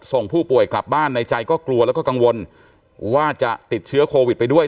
ส่งผู้ป่วยกลับบ้านในใจก็กลัวแล้วก็กังวลว่าจะติดเชื้อโควิดไปด้วย